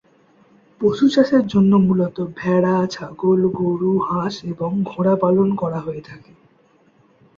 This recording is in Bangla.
পশু চাষের জন্য মূলত ভেড়া, ছাগল, গরু, হাঁস এবং ঘোড়া পালন করা হয়ে থাকে।